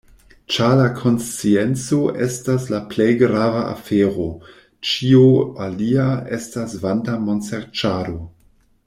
Ĉar la konscienco estas la plej grava afero, ĉio alia estas vanta monserĉado.